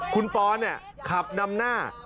คุณปอนขับนำหน้า